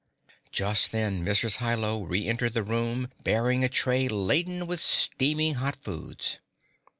Just then Mrs. Hi Lo re entered the room bearing a tray laden with steaming hot foods.